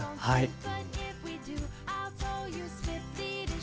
はい。